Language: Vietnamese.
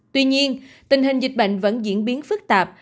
tuy nhiên tình hình dịch bệnh vẫn diễn biến phức tạp